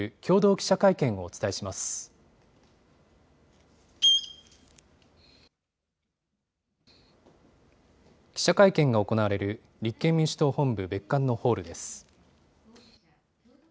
記者会見が行われる立憲民主党本部別館のホールです。